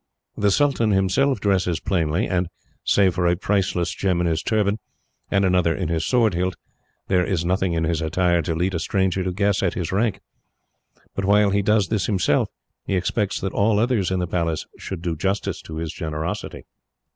The sultan himself dresses plainly and, save for a priceless gem in his turban, and another in his sword hilt, there is nothing in his attire to lead a stranger to guess at his rank. But while he does this himself, he expects that all others in the Palace should do justice to his generosity.